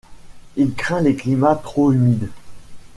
Il craint les climats trop humides.